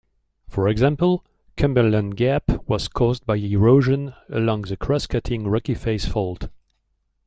For example, Cumberland Gap was caused by erosion along the cross-cutting Rocky Face Fault.